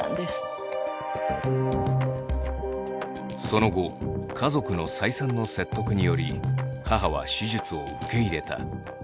その後家族の再三の説得により母は手術を受け入れた。